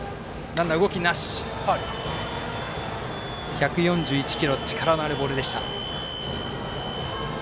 １４１キロ力のあるボールでした。